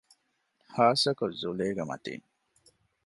ޚާއްސަކޮށް ޒުލޭގެ މަތީން